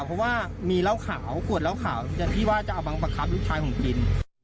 เพราะว่ามีเล่าขาวกวดเล่าขาวอย่างที่ว่าจะอาบังประคับลูกชายของกิน